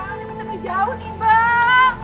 ini bener bener jauh nih bang